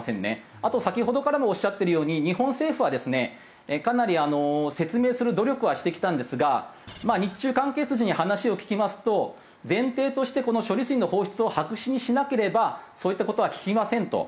あと先ほどからもおっしゃっているように日本政府はですねかなり説明する努力はしてきたんですが日中関係筋に話を聞きますと前提としてこの処理水の放出を白紙にしなければそういった事は聞きませんと。